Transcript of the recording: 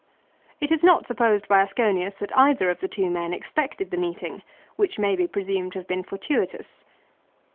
It is not supposed by Asconius that either of the two men expected the meeting, which may be presumed to have been fortuitous.